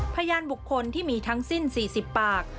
พยานบุคคลที่มีทั้งสิ้น๔๐ปาก